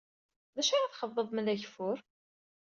D acu ara txedmeḍ ma d ageffur?